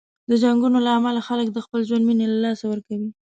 د جنګونو له امله خلک د خپل ژوند مینې له لاسه ورکوي.